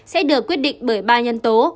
sẽ được quyết định bởi ba nhân tố